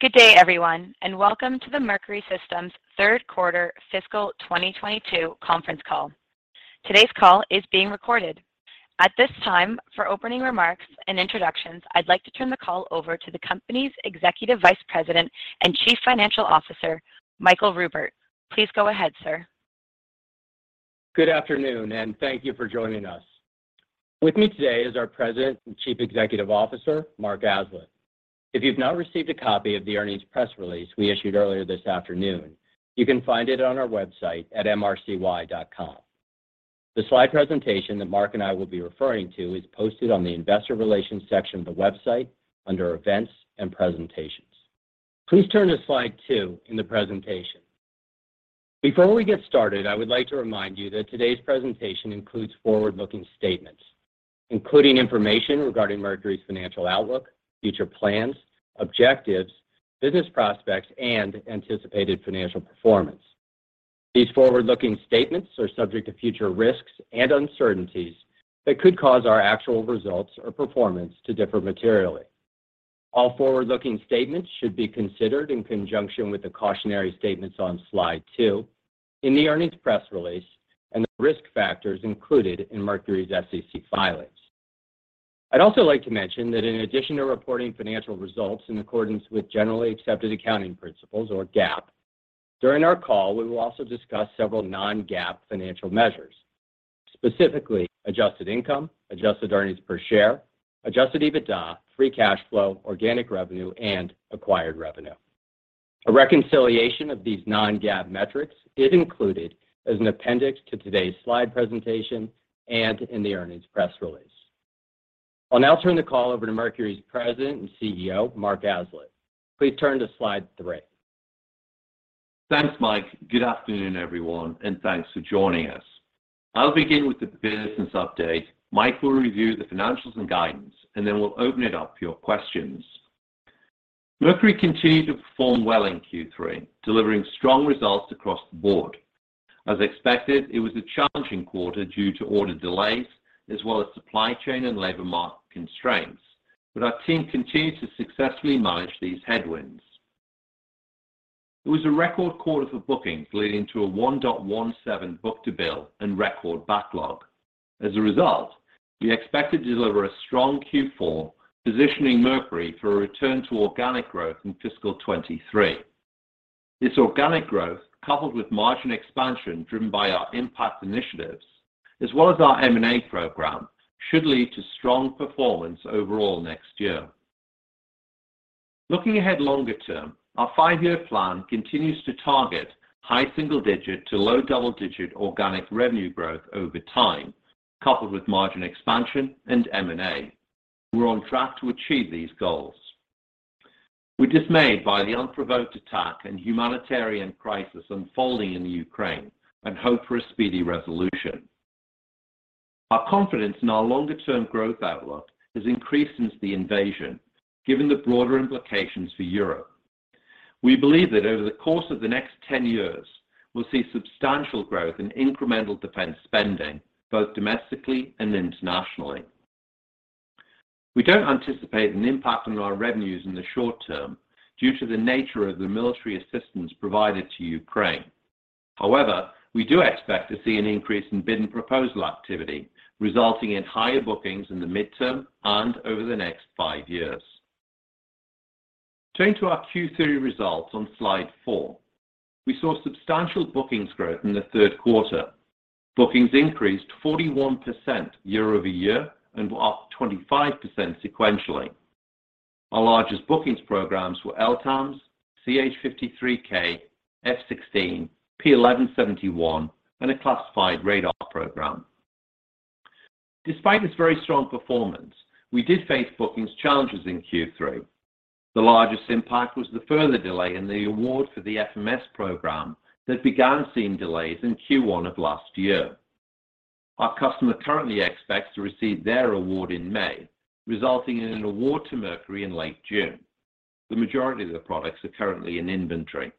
Good day, everyone, and welcome to the Mercury Systems third quarter fiscal 2022 conference call. Today's call is being recorded. At this time, for opening remarks and introductions, I'd like to turn the call over to the company's Executive Vice President and Chief Financial Officer, Michael Ruppert. Please go ahead, sir. Good afternoon, and thank you for joining us. With me today is our President and Chief Executive Officer, Mark Aslett. If you've not received a copy of the earnings press release we issued earlier this afternoon, you can find it on our website at mrcy.com. The slide presentation that Mark and I will be referring to is posted on the Investor Relations section of the website under Events and Presentations. Please turn to slide two in the presentation. Before we get started, I would like to remind you that today's presentation includes forward-looking statements, including information regarding Mercury's financial outlook, future plans, objectives, business prospects, and anticipated financial performance. These forward-looking statements are subject to future risks and uncertainties that could cause our actual results or performance to differ materially. All forward-looking statements should be considered in conjunction with the cautionary statements on slide 2 in the earnings press release and the risk factors included in Mercury's SEC filings. I'd also like to mention that in addition to reporting financial results in accordance with generally accepted accounting principles or GAAP, during our call, we will also discuss several non-GAAP financial measures, specifically adjusted income, adjusted earnings per share, adjusted EBITDA, free cash flow, organic revenue, and acquired revenue. A reconciliation of these non-GAAP metrics is included as an appendix to today's slide presentation and in the earnings press release. I'll now turn the call over to Mercury's President and CEO, Mark Aslett. Please turn to slide 3. Thanks, Mike. Good afternoon, everyone, and thanks for joining us. I'll begin with the business update. Mike will review the financials and guidance, and then we'll open it up for your questions. Mercury continued to perform well in Q3, delivering strong results across the board. As expected, it was a challenging quarter due to order delays as well as supply chain and labor market constraints, but our team continued to successfully manage these headwinds. It was a record quarter for bookings, leading to a 1.17 book-to-bill and record backlog. As a result, we expect to deliver a strong Q4, positioning Mercury for a return to organic growth in fiscal 2023. This organic growth, coupled with margin expansion driven by our 1MPACT initiatives as well as our M&A program, should lead to strong performance overall next year. Looking ahead longer term, our five-year plan continues to target high single-digit to low double-digit organic revenue growth over time, coupled with margin expansion and M&A. We're on track to achieve these goals. We're dismayed by the unprovoked attack and humanitarian crisis unfolding in the Ukraine and hope for a speedy resolution. Our confidence in our longer-term growth outlook has increased since the invasion, given the broader implications for Europe. We believe that over the course of the next 10 years, we'll see substantial growth in incremental defense spending, both domestically and internationally. We don't anticipate an impact on our revenues in the short term due to the nature of the military assistance provided to Ukraine. However, we do expect to see an increase in bid and proposal activity, resulting in higher bookings in the midterm and over the next 5 years. Turning to our Q3 results on slide 4. We saw substantial bookings growth in the third quarter. Bookings increased 41% year-over-year and were up 25% sequentially. Our largest bookings programs were LTAMDS, CH-53K, F-16, P-1171, and a classified radar program. Despite this very strong performance, we did face bookings challenges in Q3. The largest impact was the further delay in the award for the FMS program that began seeing delays in Q1 of last year. Our customer currently expects to receive their award in May, resulting in an award to Mercury in late June. The majority of the products are currently in inventory.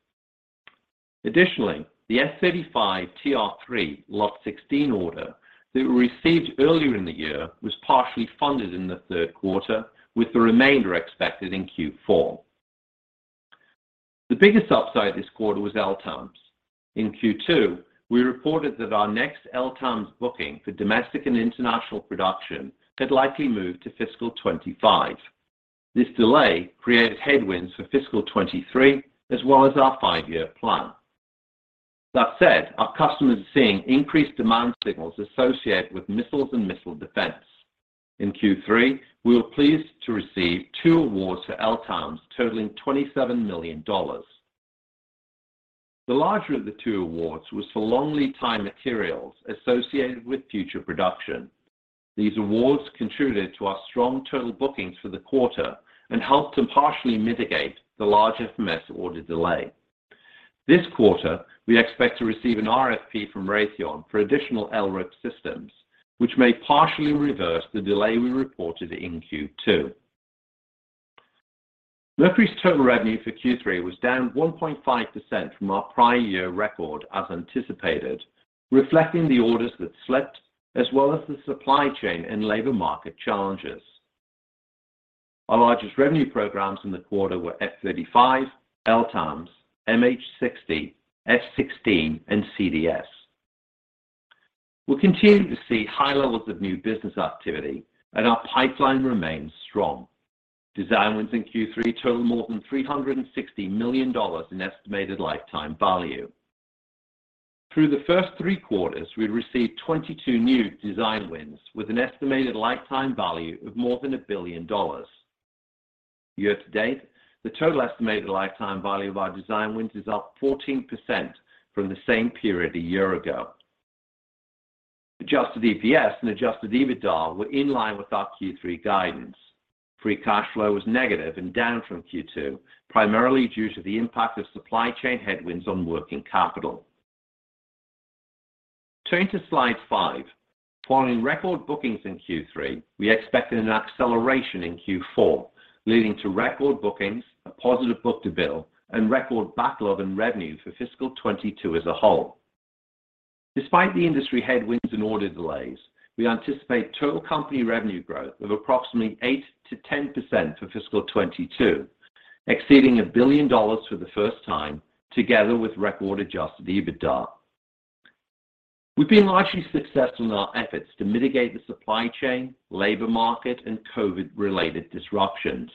Additionally, the F-35 TR-3 Lot 16 order that we received earlier in the year was partially funded in the third quarter, with the remainder expected in Q4. The biggest upside this quarter was LTAMDS. In Q2, we reported that our next LTAMDS booking for domestic and international production had likely moved to fiscal 2025. This delay created headwinds for fiscal 2023 as well as our five-year plan. That said, our customers are seeing increased demand signals associated with missiles and missile defense. In Q3, we were pleased to receive two awards for LTAMDS totaling $27 million. The larger of the two awards was for long lead time materials associated with future production. These awards contributed to our strong total bookings for the quarter and helped to partially mitigate the large FMS order delay. This quarter, we expect to receive an RFP from Raytheon for additional LRIP systems, which may partially reverse the delay we reported in Q2. Mercury's total revenue for Q3 was down 1.5% from our prior year record as anticipated. Reflecting the orders that slipped, as well as the supply chain and labor market challenges. Our largest revenue programs in the quarter were F-35, LTAMDS, MH-60, F-16, and CDS. We're continuing to see high levels of new business activity and our pipeline remains strong. Design wins in Q3 totaled more than $360 million in estimated lifetime value. Through the first three quarters, we received 22 new design wins with an estimated lifetime value of more than $1 billion. Year to date, the total estimated lifetime value of our design wins is up 14% from the same period a year ago. Adjusted EPS and Adjusted EBITDA were in line with our Q3 guidance. Free cash flow was negative and down from Q2, primarily due to the impact of supply chain headwinds on working capital. Turning to slide 5. Following record bookings in Q3, we expected an acceleration in Q4, leading to record bookings, a positive book-to-bill, and record backlog and revenue for fiscal 2022 as a whole. Despite the industry headwinds and order delays, we anticipate total company revenue growth of approximately 8%-10% for fiscal 2022, exceeding $1 billion for the first time, together with record adjusted EBITDA. We've been largely successful in our efforts to mitigate the supply chain, labor market, and COVID-related disruptions.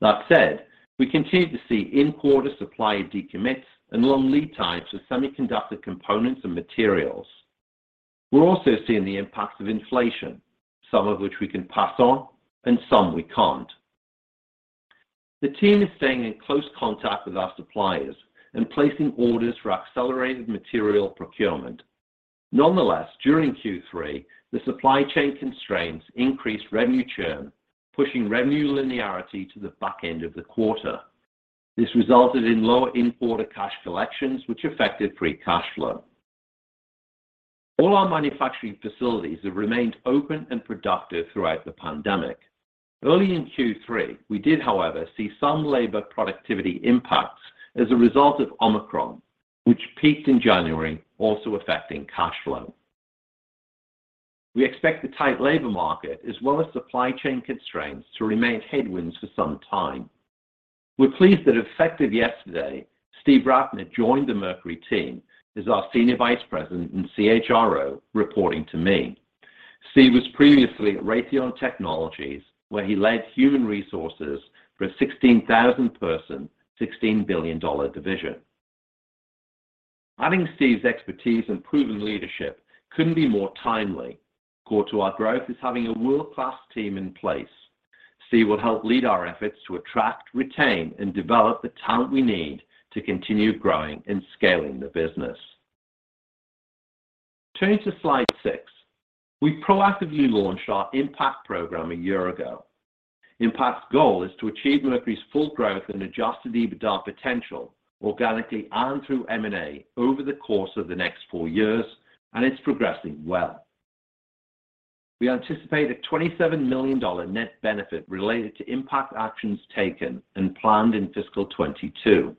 That said, we continue to see in-quarter supply decommits and long lead times for semiconductor components and materials. We're also seeing the impacts of inflation, some of which we can pass on and some we can't. The team is staying in close contact with our suppliers and placing orders for accelerated material procurement. Nonetheless, during Q3, the supply chain constraints increased revenue churn, pushing revenue linearity to the back end of the quarter. This resulted in lower in-quarter cash collections, which affected free cash flow. All our manufacturing facilities have remained open and productive throughout the pandemic. Early in Q3, we did, however, see some labor productivity impacts as a result of Omicron, which peaked in January, also affecting cash flow. We expect the tight labor market as well as supply chain constraints to remain headwinds for some time. We're pleased that effective yesterday, Steve Ratner joined the Mercury team as our Senior Vice President and CHRO, reporting to me. Steve was previously at Raytheon Technologies, where he led human resources for a 16,000-person, $16 billion division. Adding Steve's expertise and proven leadership couldn't be more timely. Core to our growth is having a world-class team in place. Steve will help lead our efforts to attract, retain, and develop the talent we need to continue growing and scaling the business. Turning to slide 6. We proactively launched our 1MPACT program a year ago. 1MPACT's goal is to achieve Mercury's full growth and Adjusted EBITDA potential organically and through M&A over the course of the next four years, and it's progressing well. We anticipate a $27 million net benefit related to 1MPACT actions taken and planned in fiscal 2022.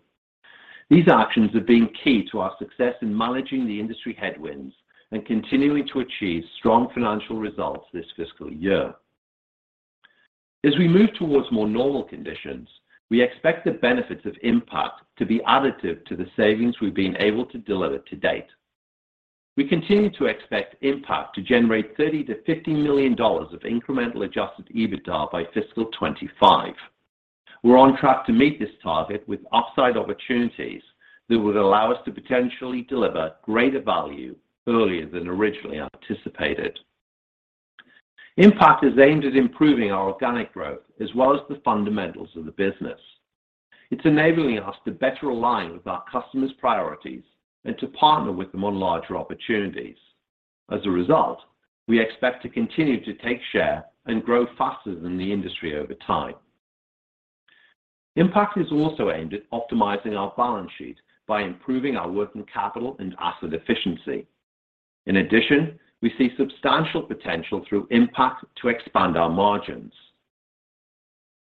These actions have been key to our success in managing the industry headwinds and continuing to achieve strong financial results this fiscal year. As we move towards more normal conditions, we expect the benefits of 1MPACT to be additive to the savings we've been able to deliver to date. We continue to expect 1MPACT to generate $30 million-$50 million of incremental Adjusted EBITDA by fiscal 2025. We're on track to meet this target with upside opportunities that would allow us to potentially deliver greater value earlier than originally anticipated. 1MPACT is aimed at improving our organic growth as well as the fundamentals of the business. It's enabling us to better align with our customers' priorities and to partner with them on larger opportunities. As a result, we expect to continue to take share and grow faster than the industry over time. 1MPACT is also aimed at optimizing our balance sheet by improving our working capital and asset efficiency. In addition, we see substantial potential through 1MPACT to expand our margins.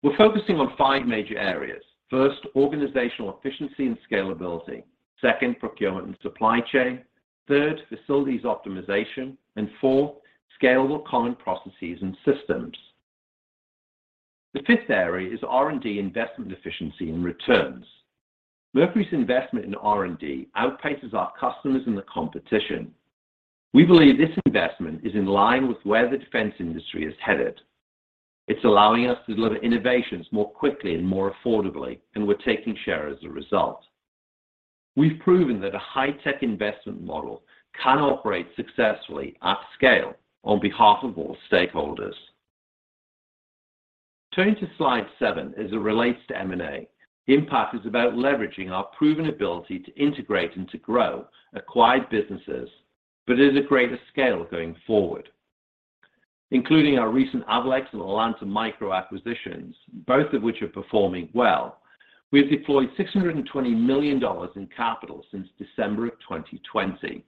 We're focusing on 5 major areas. First, organizational efficiency and scalability. Second, procurement and supply chain. Third, facilities optimization. Fourth, scalable common processes and systems. The fifth area is R&D investment efficiency and returns. Mercury's investment in R&D outpaces our customers and the competition. We believe this investment is in line with where the defense industry is headed. It's allowing us to deliver innovations more quickly and more affordably, and we're taking share as a result. We've proven that a high-tech investment model can operate successfully at scale on behalf of all stakeholders. Turning to slide 7 as it relates to M&A. 1MPACT is about leveraging our proven ability to integrate and to grow acquired businesses, but at a greater scale going forward. Including our recent Avalex and Atlanta Micro acquisitions, both of which are performing well, we have deployed $620 million in capital since December of 2020.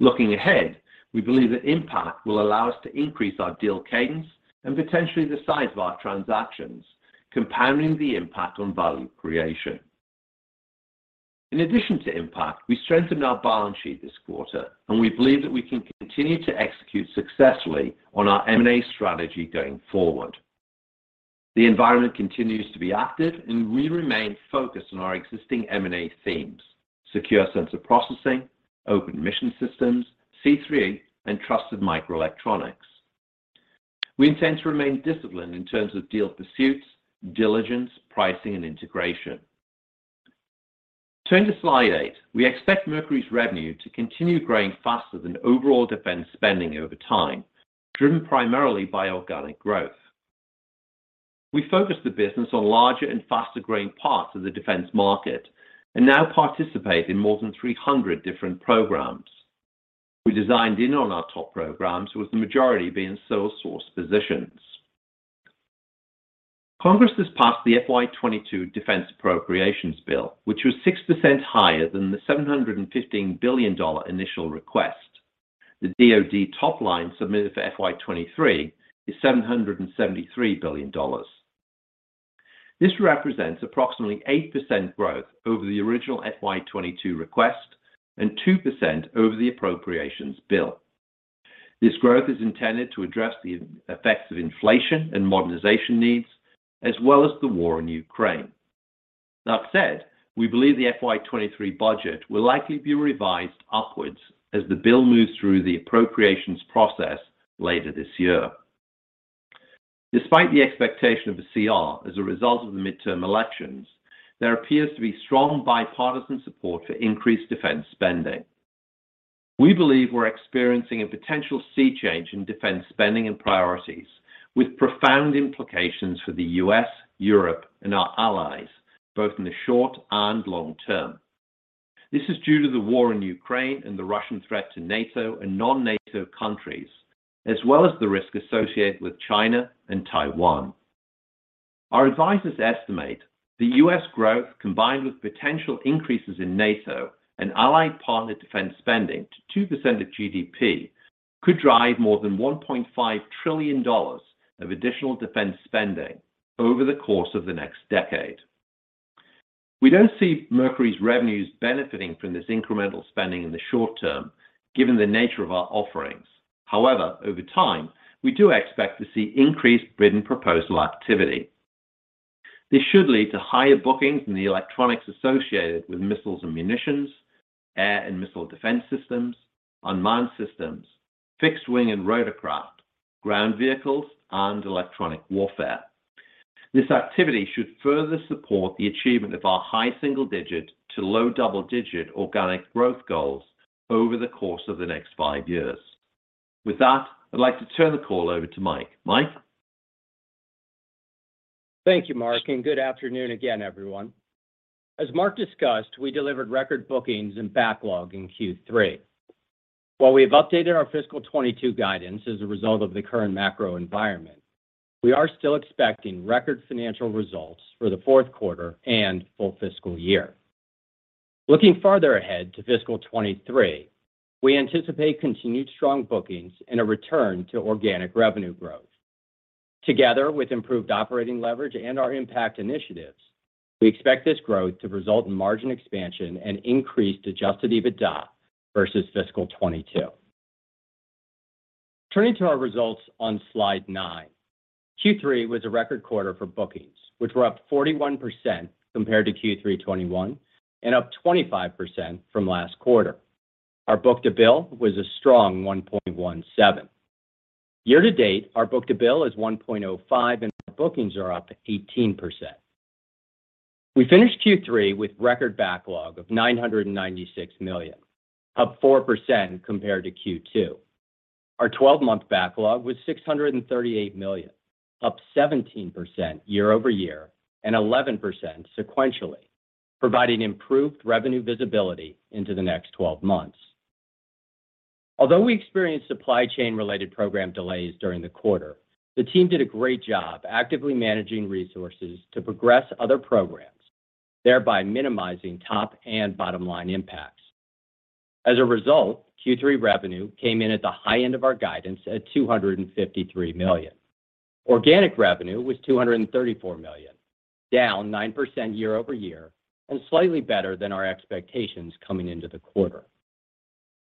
Looking ahead, we believe that 1MPACT will allow us to increase our deal cadence and potentially the size of our transactions, compounding the impact on value creation. In addition to 1MPACT, we strengthened our balance sheet this quarter, and we believe that we can continue to execute successfully on our M&A strategy going forward. The environment continues to be active, and we remain focused on our existing M&A themes: secure sensor processing, open mission systems, C3, and trusted microelectronics. We intend to remain disciplined in terms of deal pursuits, diligence, pricing, and integration. Turning to slide 8, we expect Mercury's revenue to continue growing faster than overall defense spending over time, driven primarily by organic growth. We focus the business on larger and faster-growing parts of the defense market and now participate in more than 300 different programs. We designed in on our top programs, with the majority being sole source positions. Congress has passed the FY 2022 Defense Appropriations Bill, which was 6% higher than the $715 billion initial request. The DoD top line submitted for FY 2023 is $773 billion. This represents approximately 8% growth over the original FY 2022 request and 2% over the appropriations bill. This growth is intended to address the effects of inflation and modernization needs, as well as the war in Ukraine. That said, we believe the FY 2023 budget will likely be revised upwards as the bill moves through the appropriations process later this year. Despite the expectation of a CR as a result of the midterm elections, there appears to be strong bipartisan support for increased defense spending. We believe we're experiencing a potential C change in defense spending and priorities with profound implications for the U.S., Europe, and our allies, both in the short and long term. This is due to the war in Ukraine and the Russian threat to NATO and non-NATO countries, as well as the risk associated with China and Taiwan. Our advisors estimate that U.S. growth, combined with potential increases in NATO and allied partner defense spending to 2% of GDP, could drive more than $1.5 trillion of additional defense spending over the course of the next decade. We don't see Mercury's revenues benefiting from this incremental spending in the short term, given the nature of our offerings. However, over time, we do expect to see increased written proposal activity. This should lead to higher bookings in the electronics associated with missiles and munitions, air and missile defense systems, unmanned systems, fixed wing and rotorcraft, ground vehicles, and electronic warfare. This activity should further support the achievement of our high single-digit to low double-digit organic growth goals over the course of the next five years. With that, I'd like to turn the call over to Mike. Mike? Thank you, Mark, and good afternoon again, everyone. As Mark discussed, we delivered record bookings and backlog in Q3. While we have updated our fiscal 2022 guidance as a result of the current macro environment, we are still expecting record financial results for the fourth quarter and full fiscal year. Looking farther ahead to fiscal 2023, we anticipate continued strong bookings and a return to organic revenue growth. Together with improved operating leverage and our 1MPACT initiatives, we expect this growth to result in margin expansion and increased adjusted EBITDA versus fiscal 2022. Turning to our results on slide 9. Q3 was a record quarter for bookings, which were up 41% compared to Q3 2021 and up 25% from last quarter. Our book-to-bill was a strong 1.17. Year to date, our book-to-bill is 1.05, and our bookings are up 18%. We finished Q3 with record backlog of $996 million, up 4% compared to Q2. Our 12-month backlog was $638 million, up 17% year-over-year and 11% sequentially, providing improved revenue visibility into the next 12 months. Although we experienced supply chain-related program delays during the quarter, the team did a great job actively managing resources to progress other programs, thereby minimizing top and bottom-line impacts. As a result, Q3 revenue came in at the high end of our guidance at $253 million. Organic revenue was $234 million, down 9% year-over-year and slightly better than our expectations coming into the quarter.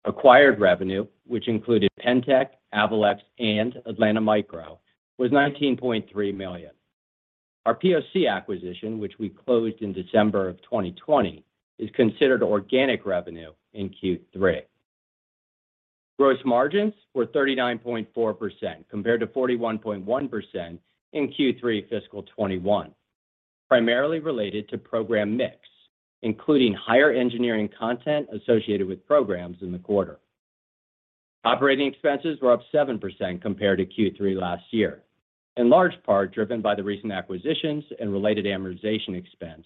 Acquired revenue, which included Pentek, Avalex, and Atlanta Micro, was $19.3 million. Our POC acquisition, which we closed in December of 2020, is considered organic revenue in Q3. Gross margins were 39.4% compared to 41.1% in Q3 fiscal 2021, primarily related to program mix, including higher engineering content associated with programs in the quarter. Operating expenses were up 7% compared to Q3 last year, in large part driven by the recent acquisitions and related amortization expense,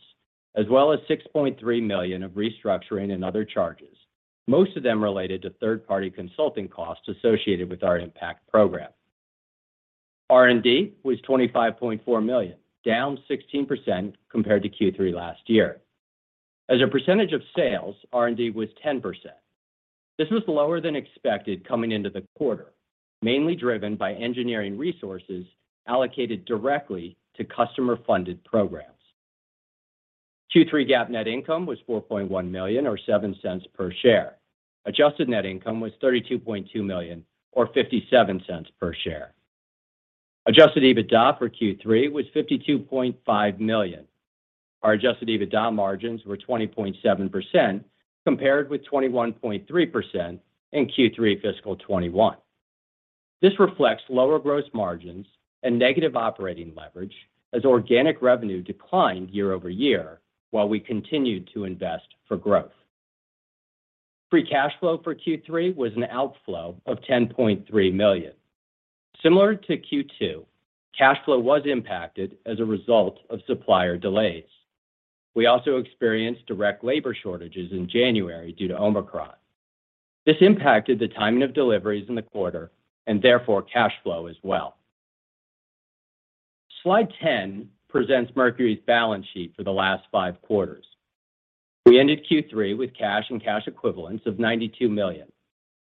as well as $6.3 million of restructuring and other charges, most of them related to third-party consulting costs associated with our 1MPACT program. R&D was $25.4 million, down 16% compared to Q3 last year. As a percentage of sales, R&D was 10%. This was lower than expected coming into the quarter, mainly driven by engineering resources allocated directly to customer-funded programs. Q3 GAAP net income was $4.1 million or $0.07 per share. Adjusted net income was $32.2 million or $0.57 per share. Adjusted EBITDA for Q3 was $52.5 million. Our adjusted EBITDA margins were 20.7% compared with 21.3% in Q3 fiscal 2021. This reflects lower gross margins and negative operating leverage as organic revenue declined year-over-year while we continued to invest for growth. Free cash flow for Q3 was an outflow of $10.3 million. Similar to Q2, cash flow was impacted as a result of supplier delays. We also experienced direct labor shortages in January due to Omicron. This impacted the timing of deliveries in the quarter and therefore cash flow as well. Slide 10 presents Mercury's balance sheet for the last five quarters. We ended Q3 with cash and cash equivalents of $92 million,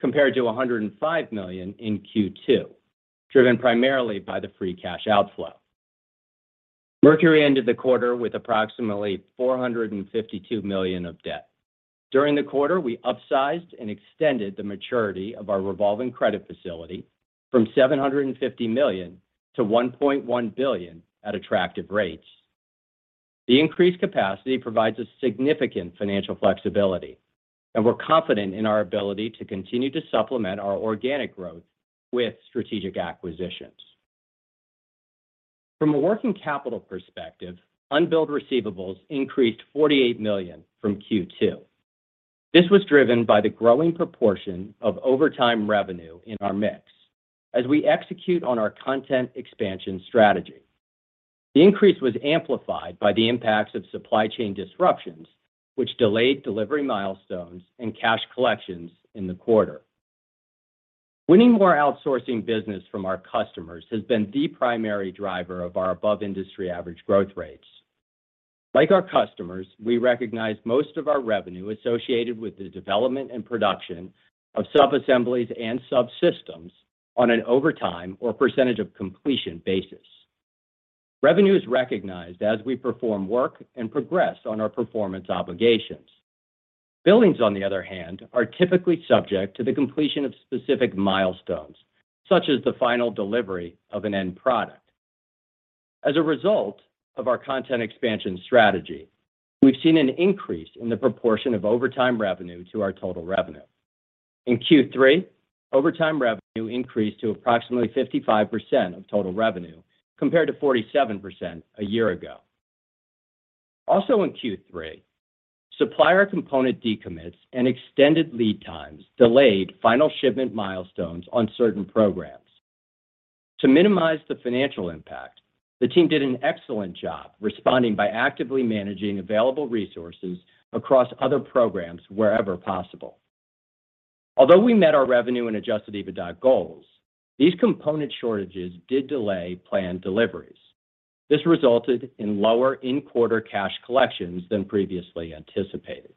compared to $105 million in Q2, driven primarily by the free cash outflow. Mercury ended the quarter with approximately $452 million of debt. During the quarter, we upsized and extended the maturity of our revolving credit facility from $750 million-$1.1 billion at attractive rates. The increased capacity provides us significant financial flexibility, and we're confident in our ability to continue to supplement our organic growth with strategic acquisitions. From a working capital perspective, unbilled receivables increased $48 million from Q2. This was driven by the growing proportion of overtime revenue in our mix as we execute on our content expansion strategy. The increase was amplified by the impacts of supply chain disruptions, which delayed delivery milestones and cash collections in the quarter. Winning more outsourcing business from our customers has been the primary driver of our above industry average growth rates. Like our customers, we recognize most of our revenue associated with the development and production of sub-assemblies and subsystems on an over time or percentage of completion basis. Revenue is recognized as we perform work and progress on our performance obligations. Billings, on the other hand, are typically subject to the completion of specific milestones, such as the final delivery of an end product. As a result of our content expansion strategy, we've seen an increase in the proportion of over time revenue to our total revenue. In Q3, over time revenue increased to approximately 55% of total revenue, compared to 47% a year ago. Also in Q3, supplier component decommits and extended lead times delayed final shipment milestones on certain programs. To minimize the financial impact, the team did an excellent job responding by actively managing available resources across other programs wherever possible. Although we met our revenue and adjusted EBITDA goals, these component shortages did delay planned deliveries. This resulted in lower in-quarter cash collections than previously anticipated.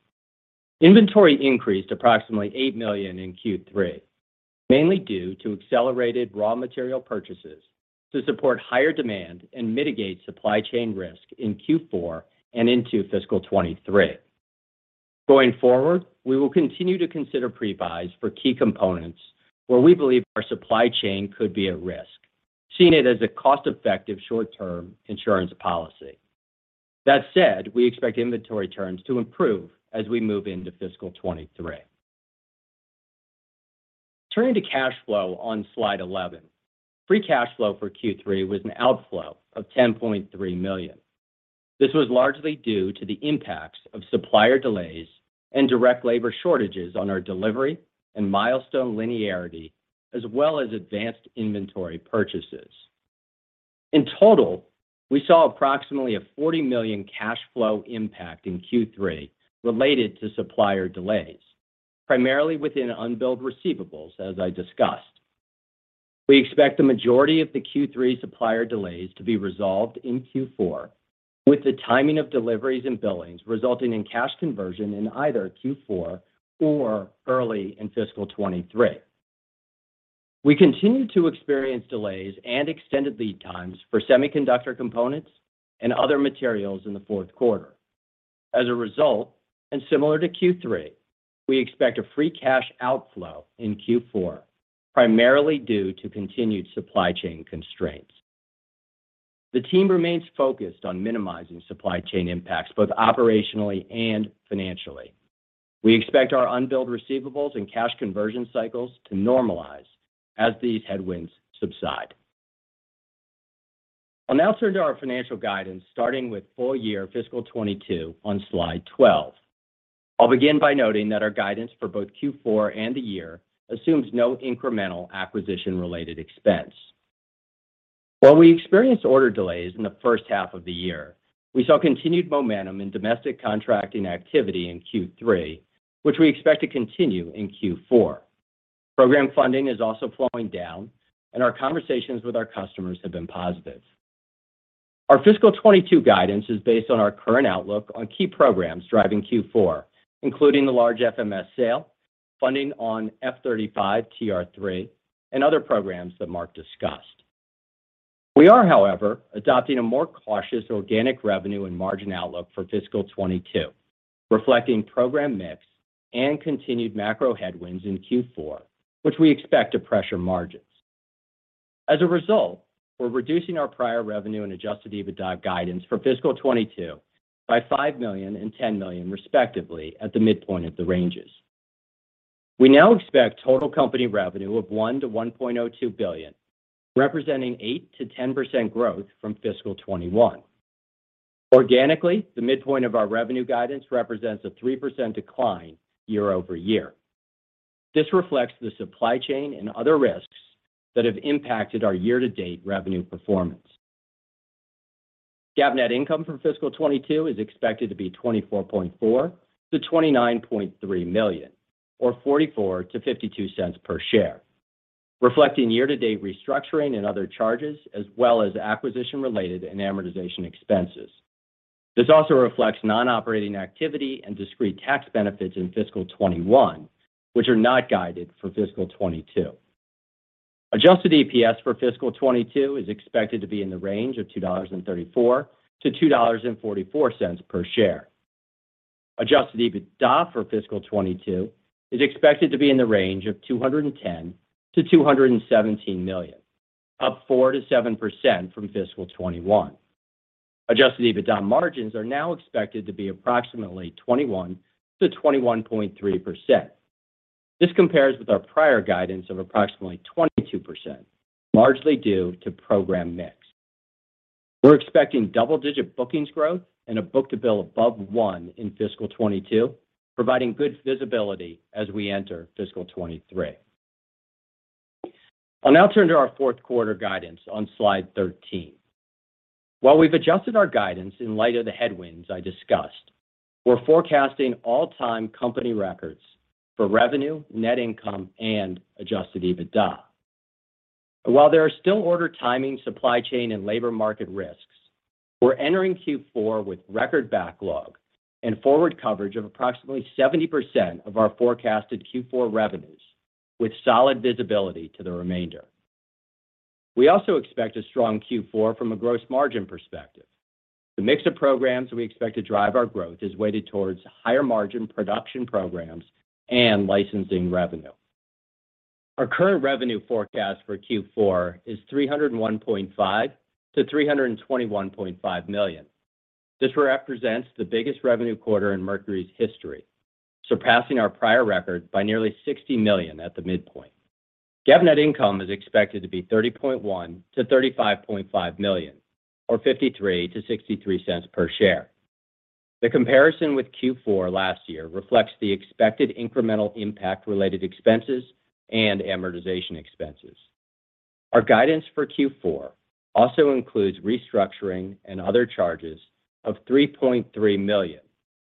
Inventory increased approximately $8 million in Q3, mainly due to accelerated raw material purchases to support higher demand and mitigate supply chain risk in Q4 and into fiscal 2023. Going forward, we will continue to consider pre-buys for key components where we believe our supply chain could be at risk, seeing it as a cost-effective short-term insurance policy. That said, we expect inventory turns to improve as we move into fiscal 2023. Turning to cash flow on slide 11, free cash flow for Q3 was an outflow of $10.3 million. This was largely due to the impacts of supplier delays and direct labor shortages on our delivery and milestone linearity, as well as advanced inventory purchases. In total, we saw approximately a $40 million cash flow impact in Q3 related to supplier delays, primarily within unbilled receivables, as I discussed. We expect the majority of the Q3 supplier delays to be resolved in Q4, with the timing of deliveries and billings resulting in cash conversion in either Q4 or early in fiscal 2023. We continue to experience delays and extended lead times for semiconductor components and other materials in the fourth quarter. As a result, and similar to Q3, we expect a free cash outflow in Q4, primarily due to continued supply chain constraints. The team remains focused on minimizing supply chain impacts, both operationally and financially. We expect our unbilled receivables and cash conversion cycles to normalize as these headwinds subside. I'll now turn to our financial guidance, starting with full year fiscal 2022 on slide 12. I'll begin by noting that our guidance for both Q4 and the year assumes no incremental acquisition-related expense. While we experienced order delays in the first half of the year, we saw continued momentum in domestic contracting activity in Q3, which we expect to continue in Q4. Program funding is also flowing down, and our conversations with our customers have been positive. Our fiscal 2022 guidance is based on our current outlook on key programs driving Q4, including the large FMS sale, funding on F-35 TR-3, and other programs that Mark discussed. We are, however, adopting a more cautious organic revenue and margin outlook for fiscal 2022, reflecting program mix and continued macro headwinds in Q4, which we expect to pressure margins. As a result, we're reducing our prior revenue and adjusted EBITDA guidance for fiscal 2022 by $5 million and $10 million, respectively, at the midpoint of the ranges. We now expect total company revenue of $1 billion-$1.02 billion, representing 8%-10% growth from fiscal 2021. Organically, the midpoint of our revenue guidance represents a 3% decline year-over-year. This reflects the supply chain and other risks that have impacted our year-to-date revenue performance. GAAP net income for fiscal 2022 is expected to be $24.4 million-$29.3 million, or $0.44-$0.52 per share, reflecting year-to-date restructuring and other charges, as well as acquisition-related and amortization expenses. This also reflects non-operating activity and discrete tax benefits in fiscal 2021, which are not guided for fiscal 2022. Adjusted EPS for fiscal 2022 is expected to be in the range of $2.34-$2.44 per share. Adjusted EBITDA for fiscal 2022 is expected to be in the range of $210 million-$217 million, up 4%-7% from fiscal 2021. Adjusted EBITDA margins are now expected to be approximately 21%-21.3%. This compares with our prior guidance of approximately 22%, largely due to program mix. We're expecting double-digit bookings growth and a book-to-bill above 1 in fiscal 2022, providing good visibility as we enter fiscal 2023. I'll now turn to our fourth quarter guidance on slide 13. While we've adjusted our guidance in light of the headwinds I discussed, we're forecasting all-time company records for revenue, net income, and adjusted EBITDA. While there are still order timing, supply chain, and labor market risks, we're entering Q4 with record backlog and forward coverage of approximately 70% of our forecasted Q4 revenues, with solid visibility to the remainder. We also expect a strong Q4 from a gross margin perspective. The mix of programs we expect to drive our growth is weighted towards higher-margin production programs and licensing revenue. Our current revenue forecast for Q4 is $301.5 million-$321.5 million. This represents the biggest revenue quarter in Mercury's history, surpassing our prior record by nearly $60 million at the midpoint. GAAP net income is expected to be $30.1 million-$35.5 million, or $0.53-$0.63 per share. The comparison with Q4 last year reflects the expected incremental impact-related expenses and amortization expenses. Our guidance for Q4 also includes restructuring and other charges of $3.3 million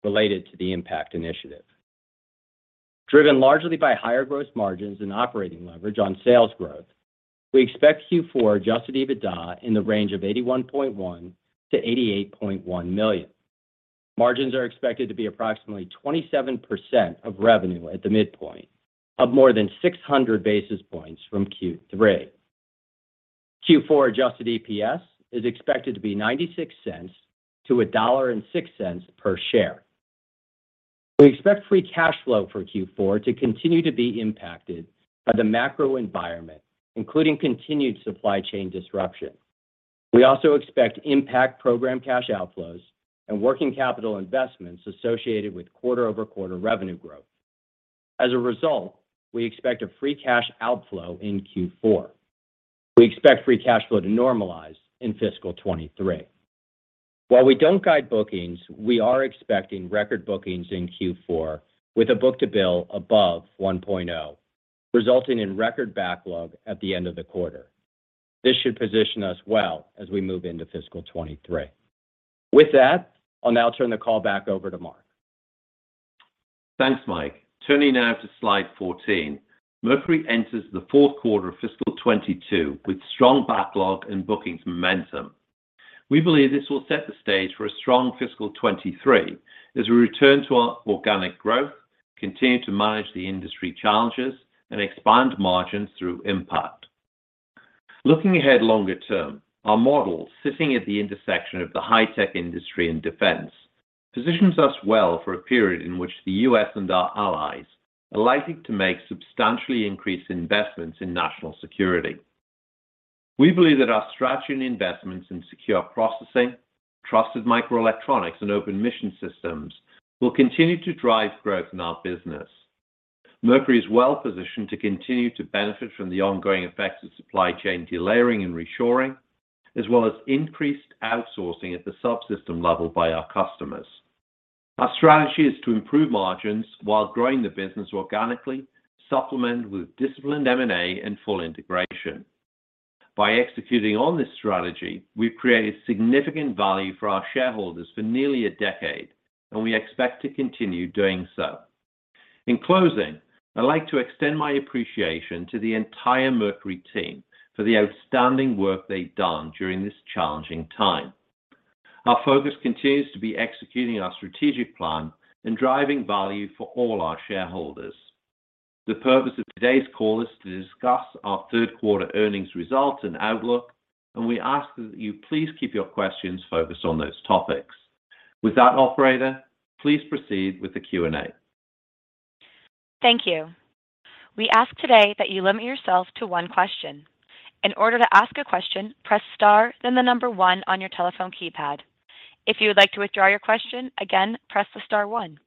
related to the 1MPACT initiative. Driven largely by higher gross margins and operating leverage on sales growth, we expect Q4 adjusted EBITDA in the range of $81.1 million-$88.1 million. Margins are expected to be approximately 27% of revenue at the midpoint, up more than 600 basis points from Q3. Q4 adjusted EPS is expected to be $0.96-$1.06 per share. We expect free cash flow for Q4 to continue to be impacted by the macro environment, including continued supply chain disruption. We also expect 1MPACT program cash outflows and working capital investments associated with quarter-over-quarter revenue growth. As a result, we expect a free cash outflow in Q4. We expect free cash flow to normalize in fiscal 2023. While we don't guide bookings, we are expecting record bookings in Q4 with a book-to-bill above 1.0, resulting in record backlog at the end of the quarter. This should position us well as we move into fiscal 2023. With that, I'll now turn the call back over to Mark. Thanks, Mike. Turning now to slide 14, Mercury enters the fourth quarter of fiscal 2022 with strong backlog and bookings momentum. We believe this will set the stage for a strong fiscal 2023 as we return to our organic growth, continue to manage the industry challenges, and expand margins through 1MPACT. Looking ahead longer term, our model, sitting at the intersection of the high-tech industry and defense, positions us well for a period in which the U.S. and our allies are likely to make substantially increased investments in national security. We believe that our strategy and investments in secure processing, trusted microelectronics, and open mission systems will continue to drive growth in our business. Mercury is well-positioned to continue to benefit from the ongoing effects of supply chain delayering and reshoring, as well as increased outsourcing at the subsystem level by our customers. Our strategy is to improve margins while growing the business organically, supplemented with disciplined M&A and full integration. By executing on this strategy, we've created significant value for our shareholders for nearly a decade, and we expect to continue doing so. In closing, I'd like to extend my appreciation to the entire Mercury team for the outstanding work they've done during this challenging time. Our focus continues to be executing our strategic plan and driving value for all our shareholders. The purpose of today's call is to discuss our third quarter earnings results and outlook, and we ask that you please keep your questions focused on those topics. With that, operator, please proceed with the Q&A. Thank you. We ask today that you limit yourself to one question. In order to ask a question, press star, then the number one on your telephone keypad. If you would like to withdraw your question, again, press the star one.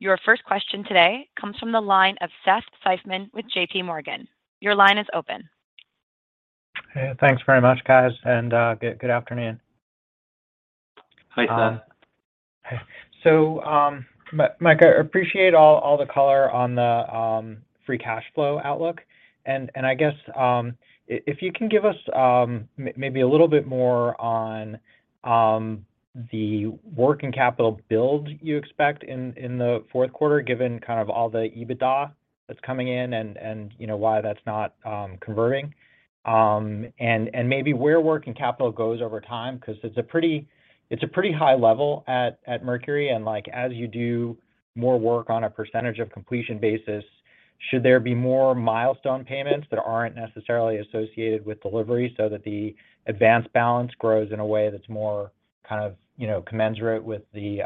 Your first question today comes from the line of Seth Seifman with JP Morgan. Your line is open. Hey, thanks very much, guys, and good afternoon. Hi, Seth. Mike, I appreciate all the color on the free cash flow outlook. I guess, if you can give us, maybe a little bit more on the working capital build you expect in the fourth quarter, given kind of all the EBITDA that's coming in and, you know, why that's not converting. Maybe where working capital goes over time, because it's a pretty high level at Mercury. Like, as you do more work on a percentage of completion basis, should there be more milestone payments that aren't necessarily associated with delivery so that the advanced balance grows in a way that's more kind of, you know, commensurate with the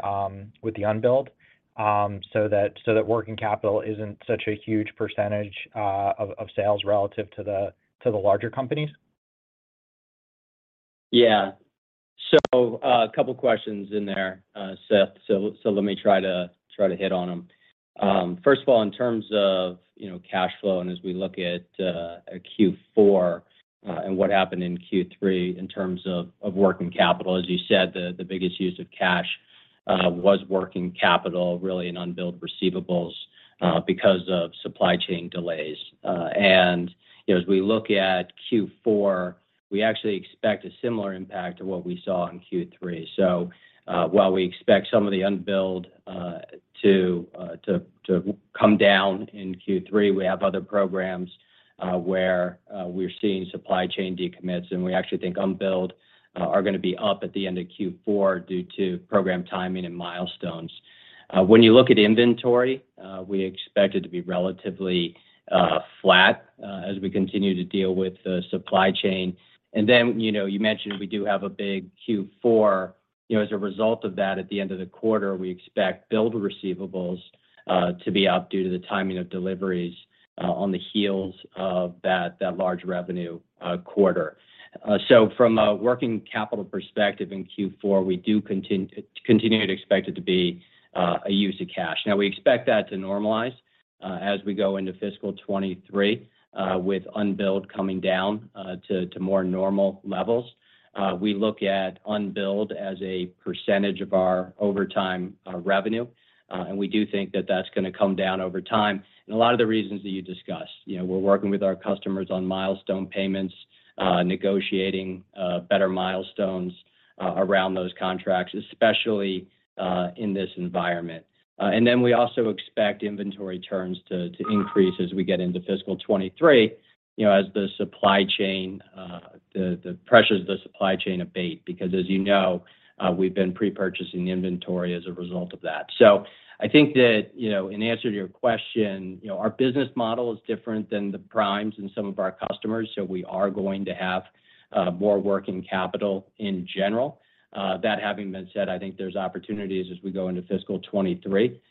unbilled, so that working capital isn't such a huge percentage of sales relative to the larger companies? Yeah. A couple questions in there, Seth. Let me try to hit on them. First of all, in terms of, you know, cash flow, and as we look at Q4, and what happened in Q3 in terms of working capital, as you said, the biggest use of cash was working capital, really in unbilled receivables, because of supply chain delays. You know, as we look at Q4, we actually expect a similar impact to what we saw in Q3. While we expect some of the unbilled to come down in Q3, we have other programs where we're seeing supply chain decommits, and we actually think unbilled are gonna be up at the end of Q4 due to program timing and milestones. When you look at inventory, we expect it to be relatively flat as we continue to deal with the supply chain. You know, you mentioned we do have a big Q4. You know, as a result of that, at the end of the quarter, we expect billed receivables to be up due to the timing of deliveries on the heels of that large revenue quarter. From a working capital perspective in Q4, we do continue to expect it to be a use of cash. Now, we expect that to normalize as we go into fiscal 2023 with unbilled coming down to more normal levels. We look at unbilled as a percentage of our overall revenue, and we do think that that's gonna come down over time. A lot of the reasons that you discussed. You know, we're working with our customers on milestone payments, negotiating better milestones around those contracts, especially in this environment. We also expect inventory turns to increase as we get into fiscal 2023, you know, as the supply chain pressures abate. Because as you know, we've been pre-purchasing inventory as a result of that. I think that, you know, in answer to your question, you know, our business model is different than the primes in some of our customers, so we are going to have more working capital in general. That having been said, I think there's opportunities as we go into fiscal 2023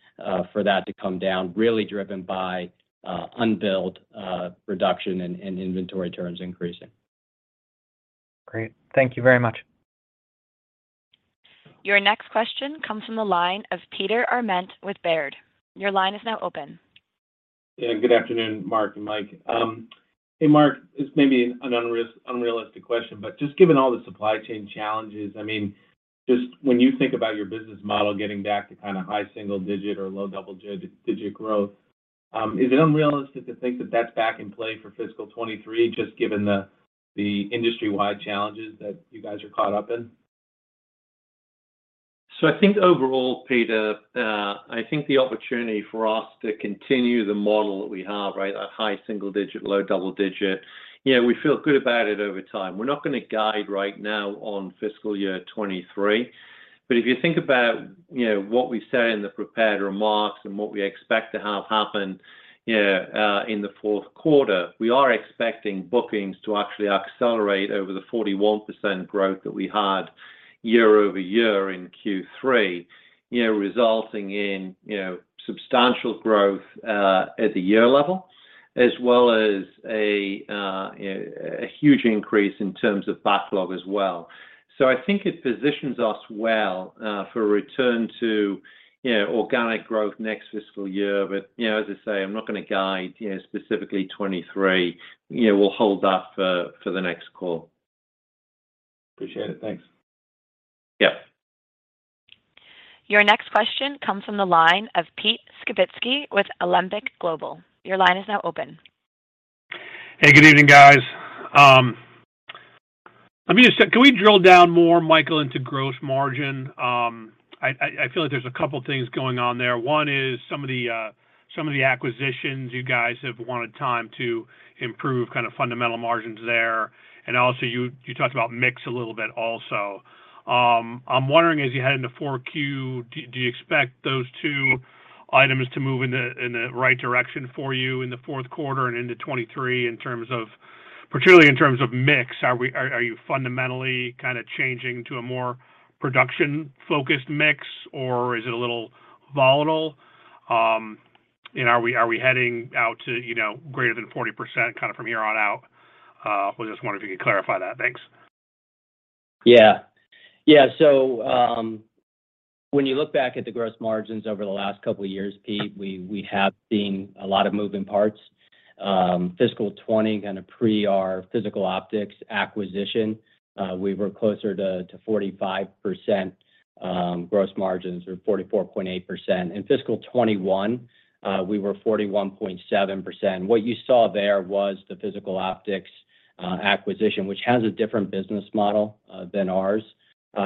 for that to come down, really driven by unbilled reduction and inventory turns increasing. Great. Thank you very much. Your next question comes from the line of Peter Arment with Baird. Your line is now open. Yeah. Good afternoon, Mark and Mike. Hey, Mark, this may be an unrealistic question, but just given all the supply chain challenges, I mean, just when you think about your business model getting back to kind of high single-digit or low double-digit growth, is it unrealistic to think that that's back in play for fiscal 2023, just given the industry-wide challenges that you guys are caught up in? I think overall, Peter, the opportunity for us to continue the model that we have, right, at high single digit, low double digit, you know, we feel good about it over time. We're not gonna guide right now on fiscal year 2023. If you think about, you know, what we say in the prepared remarks and what we expect to have happen, you know, in the fourth quarter, we are expecting bookings to actually accelerate over the 41% growth that we had year-over-year in Q3, you know, resulting in, you know, substantial growth at the year level, as well as a huge increase in terms of backlog as well. I think it positions us well for a return to, you know, organic growth next fiscal year. You know, as I say, I'm not gonna guide, you know, specifically 2023. You know, we'll hold that for the next call. Appreciate it. Thanks. Yeah. Your next question comes from the line of Pete Skibitski with Alembic Global. Your line is now open. Hey, good evening, guys. Can we drill down more, Michael, into gross margin? I feel like there's a couple things going on there. One is some of the acquisitions, you guys have wanted time to improve kind of fundamental margins there. You talked about mix a little bit also. I'm wondering as you head into 4Q, do you expect those two items to move in the right direction for you in the fourth quarter and into 2023 in terms of particularly in terms of mix? Are you fundamentally kinda changing to a more production-focused mix, or is it a little volatile? Are we heading out to, you know, greater than 40% kinda from here on out? I was just wondering if you could clarify that. Thanks. When you look back at the gross margins over the last couple of years, Pete, we have seen a lot of moving parts. Fiscal 2020 kinda pre our Physical Optics acquisition, we were closer to 45%, gross margins or 44.8%. In fiscal 2021, we were 41.7%. What you saw there was the Physical Optics acquisition, which has a different business model than ours,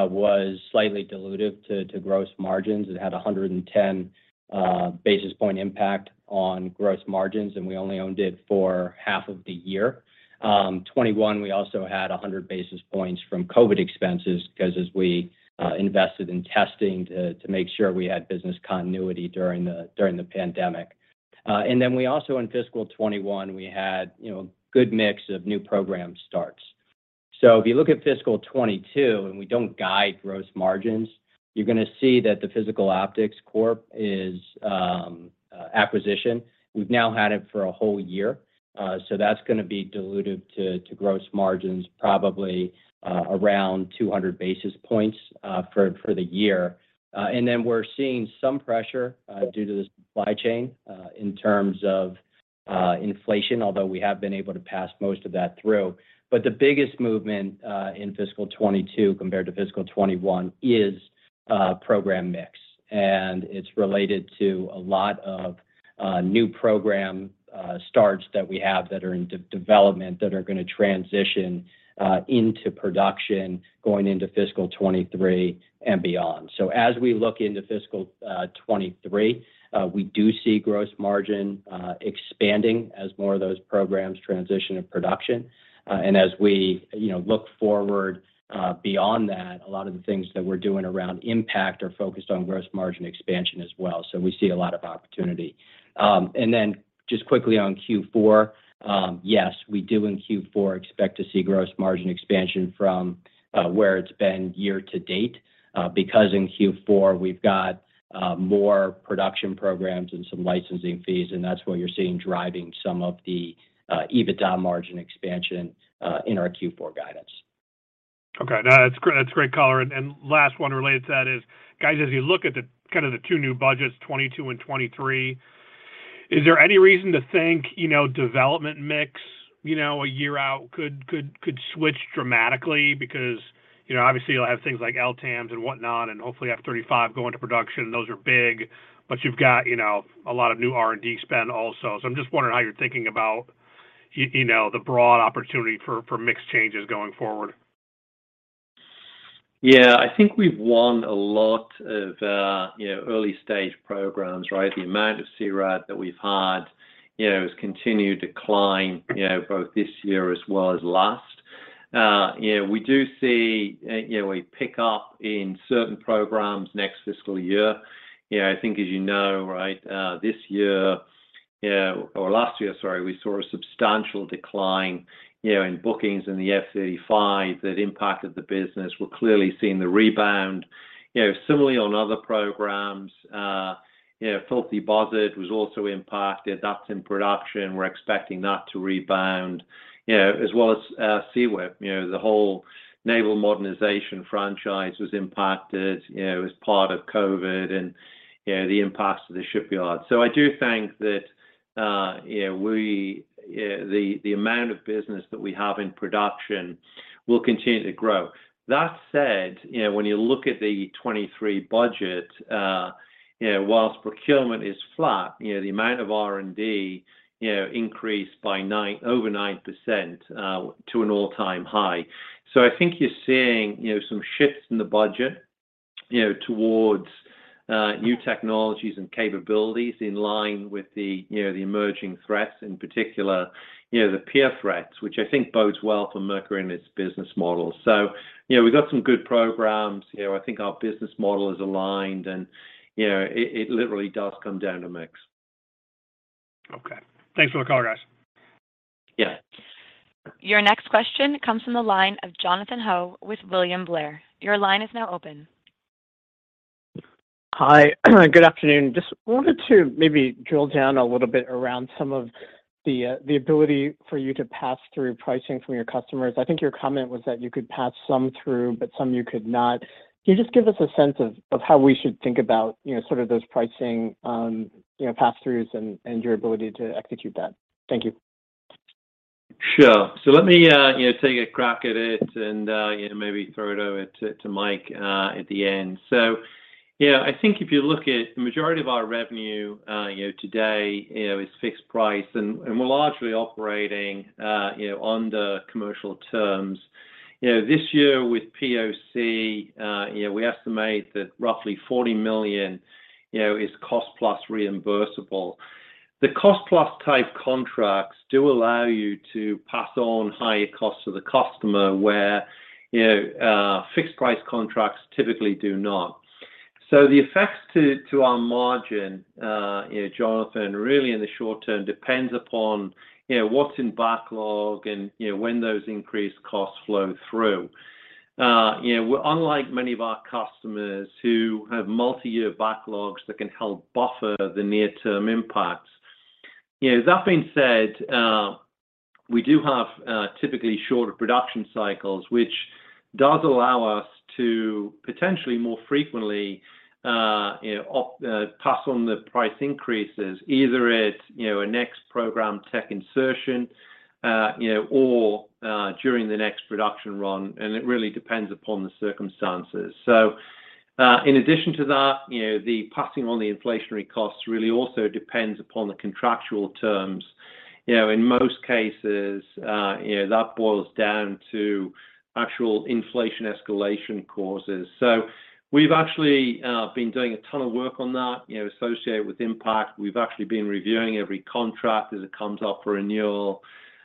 was slightly dilutive to gross margins. It had 110 basis points impact on gross margins, and we only owned it for half of the year. 2021, we also had 100 basis points from COVID expenses 'cause as we invested in testing to make sure we had business continuity during the pandemic. In fiscal 2021, we had, you know, good mix of new program starts. If you look at fiscal 2022, and we don't guide gross margins, you're gonna see that the Physical Optics Corp is acquisition. We've now had it for a whole year, so that's gonna be dilutive to gross margins probably around 200 basis points for the year. We're seeing some pressure due to the supply chain in terms of inflation, although we have been able to pass most of that through. The biggest movement in fiscal 2022 compared to fiscal 2021 is program mix. It's related to a lot of new program starts that we have that are in development that are gonna transition into production going into fiscal 2023 and beyond. As we look into fiscal 2023, we do see gross margin expanding as more of those programs transition in production. As we, you know, look forward beyond that, a lot of the things that we're doing around 1MPACT are focused on gross margin expansion as well. We see a lot of opportunity. Just quickly on Q4, yes, we do in Q4 expect to see gross margin expansion from where it's been year to date, because in Q4, we've got more production programs and some licensing fees, and that's what you're seeing driving some of the EBITDA margin expansion in our Q4 guidance. Okay. No, that's great. That's a great color. Last one related to that is, guys, as you look at the kind of the two new budgets, 2022 and 2023, is there any reason to think, you know, development mix, you know, a year out could switch dramatically? Because, you know, obviously, you'll have things like LTAMDS and whatnot, and hopefully F-35 going to production, and those are big. But you've got, you know, a lot of new R&D spend also. I'm just wondering how you're thinking about you know, the broad opportunity for mix changes going forward. Yeah. I think we've won a lot of, you know, early-stage programs, right? The amount of CRAD that we've had, you know, has continued to climb, you know, both this year as well as last. You know, we do see, you know, a pick up in certain programs next fiscal year. You know, I think as you know, right, this year, or last year, sorry, we saw a substantial decline, you know, in bookings in the F-35 that impacted the business. We're clearly seeing the rebound. You know, similarly on other programs, you know, Filthy Buzzard was also impacted. That's in production. We're expecting that to rebound. You know, as well as, SEWIP. You know, the whole naval modernization franchise was impacted, you know, as part of COVID and, you know, the impact to the shipyards. I do think that you know the amount of business that we have in production will continue to grow. That said, you know, when you look at the 2023 budget, you know, while procurement is flat, you know, the amount of R&D you know increased by over 9%, to an all-time high. I think you're seeing you know some shifts in the budget you know toward new technologies and capabilities in line with the you know the emerging threats, in particular, you know, the peer threats, which I think bodes well for Mercury and its business model. You know, we've got some good programs. You know, I think our business model is aligned, and you know, it literally does come down to mix. Okay. Thanks for the call, guys. Yeah. Your next question comes from the line of Jonathan Ho with William Blair. Your line is now open. Hi. Good afternoon. Just wanted to maybe drill down a little bit around some of the ability for you to pass through pricing from your customers. I think your comment was that you could pass some through, but some you could not. Can you just give us a sense of how we should think about, you know, sort of those pricing, you know, pass-throughs and your ability to execute that? Thank you. Sure. Let me, you know, take a crack at it and, you know, maybe throw it over to Mike at the end. Yeah, I think if you look at the majority of our revenue, you know, today, you know, is fixed price, and we're largely operating, you know, under commercial terms. You know, this year with POC, you know, we estimate that roughly $40 million, you know, is cost plus reimbursable. The cost plus type contracts do allow you to pass on higher costs to the customer where, you know, fixed price contracts typically do not. The effects to our margin, you know, Jonathan, really in the short term depends upon, you know, what's in backlog and, you know, when those increased costs flow through. You know, we're unlike many of our customers who have multi-year backlogs that can help buffer the near-term impacts. You know, that being said, we do have typically shorter production cycles, which does allow us to potentially more frequently, you know, pass on the price increases, either at, you know, a next program tech insertion, you know, or during the next production run, and it really depends upon the circumstances. In addition to that, you know, the passing on the inflationary costs really also depends upon the contractual terms. You know, in most cases, you know, that boils down to actual inflation escalation causes. We've actually been doing a ton of work on that, you know, associated with 1MPACT. We've actually been reviewing every contract as it comes up for renewal,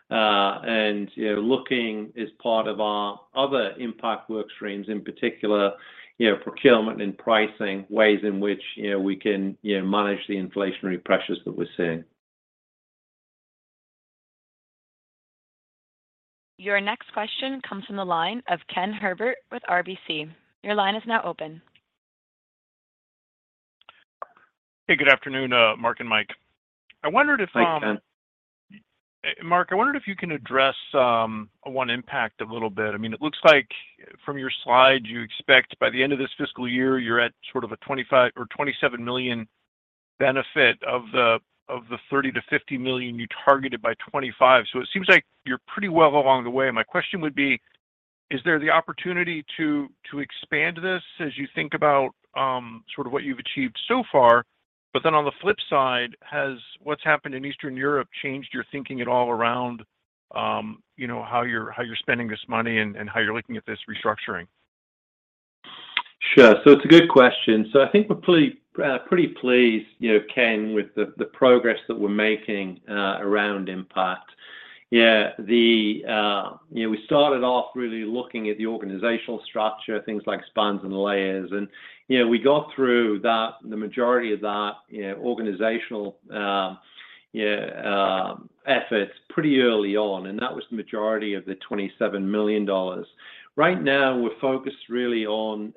and, you know, looking as part of our other 1MPACT work streams, in particular, you know, procurement and pricing, ways in which, you know, we can, you know, manage the inflationary pressures that we're seeing. Your next question comes from the line of Ken Herbert with RBC. Your line is now open. Hey, good afternoon, Mark and Mike. I wondered if, Thanks, Ken. Mark, I wondered if you can address on 1MPACT a little bit. I mean, it looks like from your slide, you expect by the end of this fiscal year, you're at sort of a $25 million or $27 million benefit of the $30 million-$50 million you targeted by 2025. It seems like you're pretty well along the way. My question would be, is there the opportunity to expand this as you think about sort of what you've achieved so far? On the flip side, has what's happened in Eastern Europe changed your thinking at all around you know, how you're spending this money and how you're looking at this restructuring? Sure. It's a good question. I think we're pretty pleased, you know, Ken, with the progress that we're making around 1MPACT. Yeah, you know, we started off really looking at the organizational structure, things like spans and layers and, you know, we got through that, the majority of that, you know, organizational efforts pretty early on, and that was the majority of the $27 million. Right now, we're focused really on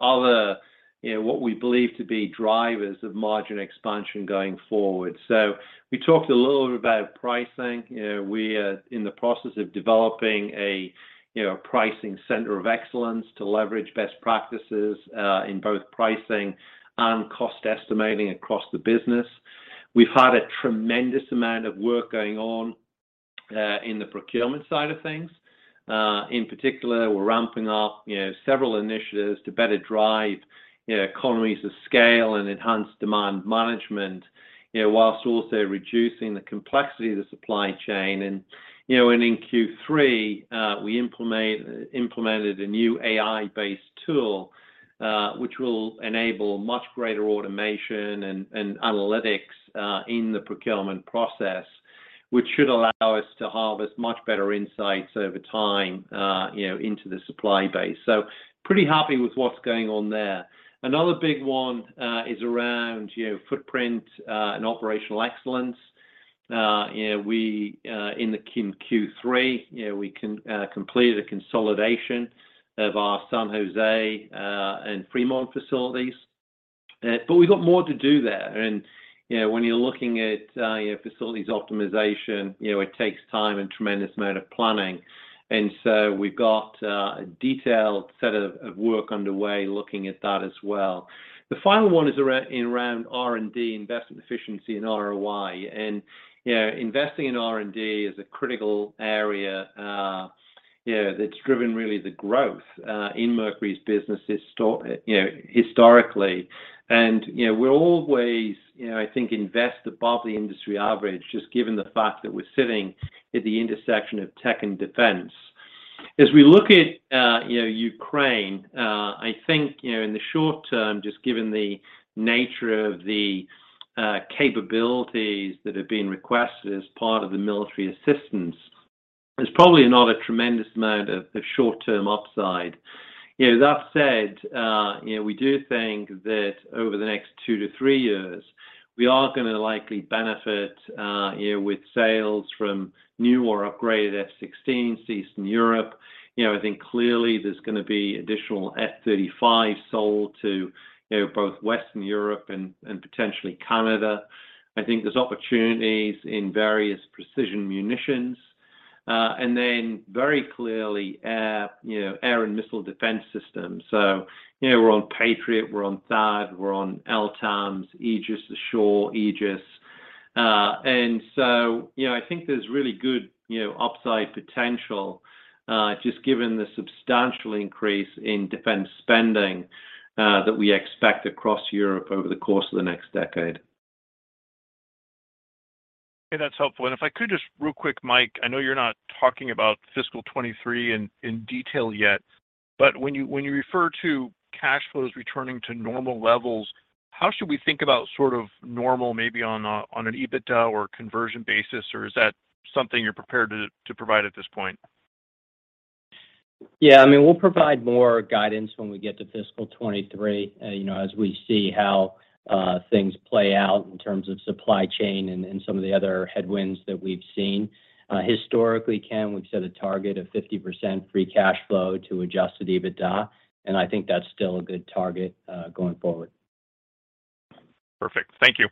other what we believe to be drivers of margin expansion going forward. We talked a little bit about pricing. You know, we are in the process of developing a pricing center of excellence to leverage best practices in both pricing and cost estimating across the business. We've had a tremendous amount of work going on in the procurement side of things. In particular, we're ramping up, you know, several initiatives to better drive, you know, economies of scale and enhance demand management, you know, while also reducing the complexity of the supply chain and, you know, and in Q3, we implemented a new AI-based tool, which will enable much greater automation and analytics in the procurement process, which should allow us to harvest much better insights over time, you know, into the supply base. So pretty happy with what's going on there. Another big one is around, you know, footprint and operational excellence. You know, we in Q3, you know, we completed a consolidation of our San Jose and Fremont facilities. We got more to do there. You know, when you're looking at facilities optimization, you know, it takes time and tremendous amount of planning. We've got a detailed set of work underway looking at that as well. The final one is around R&D investment efficiency and ROI. You know, investing in R&D is a critical area, you know, that's driven really the growth in Mercury's business historically. You know, we're always, you know, I think invest above the industry average, just given the fact that we're sitting at the intersection of tech and defense. As we look at, you know, Ukraine, I think, you know, in the short term, just given the nature of the capabilities that have been requested as part of the military assistance, there's probably not a tremendous amount of short-term upside. You know, that said, you know, we do think that over the next 2-3 years, we are gonna likely benefit, you know, with sales from new or upgraded F-16s to Eastern Europe. You know, I think clearly there's gonna be additional F-35s sold to, you know, both Western Europe and potentially Canada. I think there's opportunities in various precision munitions. Then very clearly air, you know, air and missile defense systems. You know, we're on Patriot, we're on THAAD, we're on LTAMDS, Aegis Ashore, Aegis, and so, you know, I think there's really good, you know, upside potential, just given the substantial increase in defense spending that we expect across Europe over the course of the next decade. Okay. That's helpful. If I could just real quick, Mike, I know you're not talking about fiscal 2023 in detail yet, but when you refer to cash flows returning to normal levels, how should we think about sort of normal maybe on an EBITDA or conversion basis? Or is that something you're prepared to provide at this point? Yeah. I mean, we'll provide more guidance when we get to fiscal 2023, you know, as we see how things play out in terms of supply chain and some of the other headwinds that we've seen. Historically, Ken, we've set a target of 50% free cash flow to adjusted EBITDA, and I think that's still a good target, going forward. Perfect. Thank you.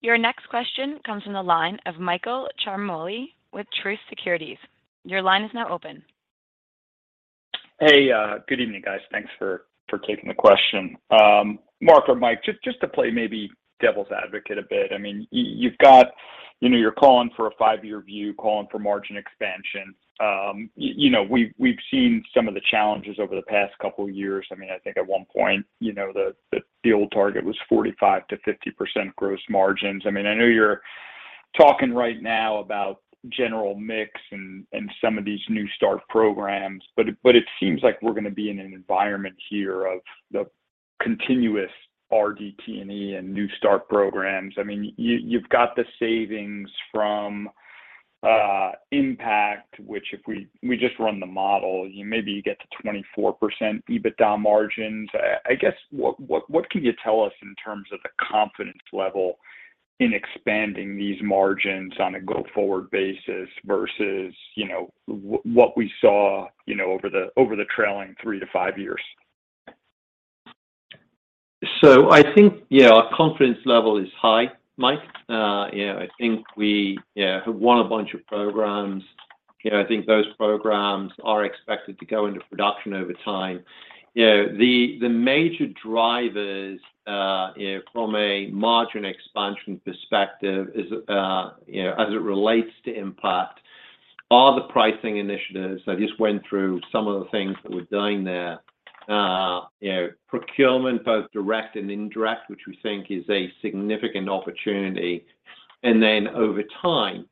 Your next question comes from the line of Michael Ciarmoli with Truist Securities. Your line is now open. Hey. Good evening, guys. Thanks for taking the question. Mark or Mike, just to play maybe devil's advocate a bit, I mean, you've got, you know, you're calling for a five-year view, calling for margin expansion. You know, we've seen some of the challenges over the past couple years. I mean, I think at one point, you know, the field target was 45%-50% gross margins. I mean, I know you're talking right now about general mix and some of these new start programs, but it seems like we're gonna be in an environment here of the continuous RDT&E and new start programs. I mean, you've got the savings from 1MPACT, which if we just run the model, you maybe get to 24% EBITDA margins. I guess, what can you tell us in terms of the confidence level in expanding these margins on a go-forward basis versus, you know, what we saw, you know, over the trailing 3-5 years? I think, yeah, our confidence level is high, Mike. You know, I think we, yeah, have won a bunch of programs. You know, I think those programs are expected to go into production over time. You know, the major drivers, you know, from a margin expansion perspective is, you know, as it relates to 1MPACT, are the pricing initiatives. I just went through some of the things that we're doing there. You know, procurement, both direct and indirect, which we think is a significant opportunity. And then over time,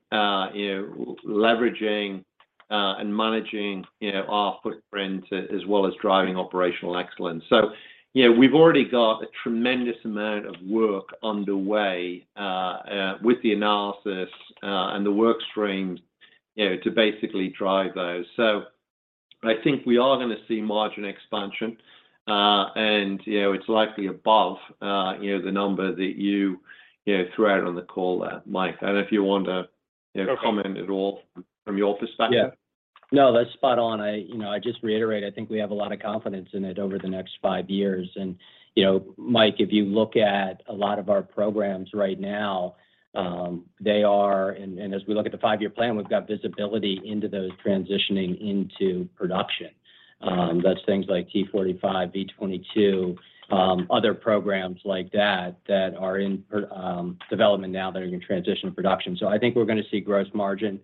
you know, leveraging and managing, you know, our footprint as well as driving operational excellence. You know, we've already got a tremendous amount of work underway with the analysis and the work stream, you know, to basically drive those. I think we are gonna see margin expansion, and, you know, it's likely above, you know, the number that you know, threw out on the call there, Mike. I don't know if you want to, you know, comment at all from your perspective. Yeah. No, that's spot on. You know, I just reiterate, I think we have a lot of confidence in it over the next five years. You know, Mike, if you look at a lot of our programs right now, and as we look at the five-year plan, we've got visibility into those transitioning into production. That's things like T-45, V-22, other programs like that are in development now that are gonna transition to production. I think we're gonna see gross margin